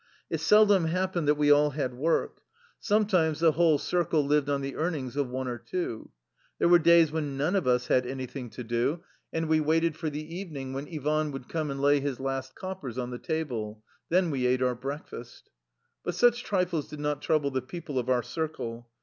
It seldom happened that we all had work; sometimes the whole cir cle lived on the earnings of one or two. There were days when none of us had anything to do, 49 THE LIFE STORY OF A RUSSIAN EXILE and we waited for the evening wben Ivan would come and lay his last coppers on the table. Then we ate our " breakfast." But such trifles did not trouble the people of our circle.